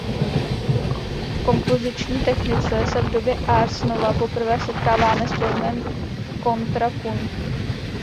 V kompoziční technice se v době ars nova poprvé setkáváme s pojmem kontrapunkt.